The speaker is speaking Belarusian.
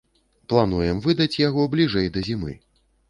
Плануем выдаць яго бліжэй да зімы.